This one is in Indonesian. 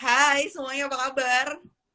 hai semuanya apa kabar